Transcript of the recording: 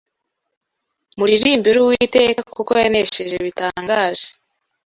Muririmbire Uwiteka, kuko yanesheje bitangaje